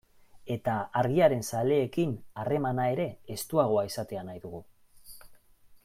Eta Argiaren zaleekin harremana ere estuagoa izatea nahi dugu.